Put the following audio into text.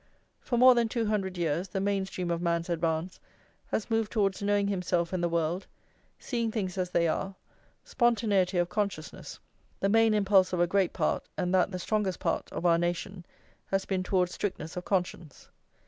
For more than two hundred years the main stream of man's advance has moved towards knowing himself and the world, seeing things as they are, spontaneity of consciousness; the main impulse of a great part, and that the strongest part, of our nation, has been towards strictness of conscience.